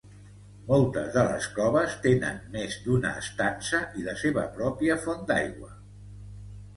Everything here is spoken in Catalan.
Moltes de les coves tenen més d'una estança i la seva pròpia font d'aigua.